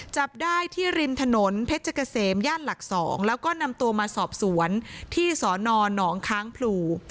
จับได้ที่ริมถนนเพชรเกษมย่านหลัก๒แล้วก็นำตัวมาสอบสวนที่สนหนองค้างพลู